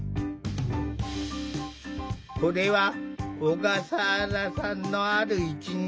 これは小笠原さんのある一日。